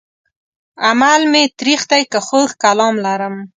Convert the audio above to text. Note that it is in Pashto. عمل مې تريخ دی که خوږ کلام لرم